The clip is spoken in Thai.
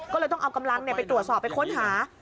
ก็เลยต้องเอากำลังไปตรวจสอบไปค้นหา